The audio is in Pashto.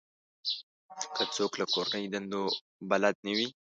که څوک له کورنۍ دندو بلد نه وي.